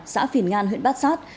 xã phìn ngan huyện bát sát